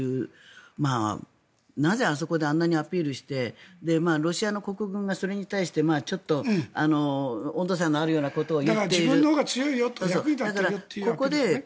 なぜ、あそこであんなにアピールしてロシアの国軍がそれに対して温度差があるようなことを言っている。